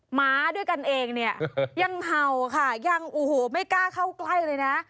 หมาด้วยกันเองเนี่ยยังเห่าค่ะยังโอ้โหไม่กล้าเข้าใกล้เลยนะ